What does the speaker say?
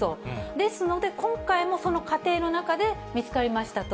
ですので、今回もその過程の中で見つかりましたと。